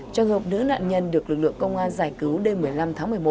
trong hợp nữ nạn nhân được lực lượng công an giải cứu đêm một mươi năm tháng một mươi một